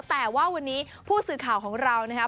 แต่ว่าวันนี้ผู้สื่อข่าวของเรานะครับ